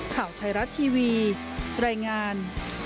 ข่าวไทยรัฐทีวีรายงาน